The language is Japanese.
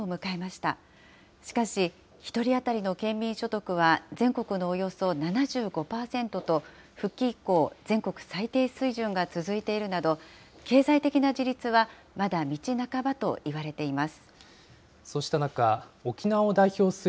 しかし、１人当たりの県民所得は全国のおよそ７５％と、復帰以降、全国最低水準が続いているなど、経済的な自立はまだ道半ばといわれています。